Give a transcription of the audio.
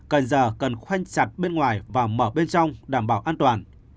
cần giờ cần khoanh sặt bên ngoài và mở bên trong đảm bảo an toàn